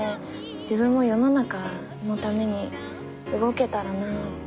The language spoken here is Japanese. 自分も世の中のために動けたらなって。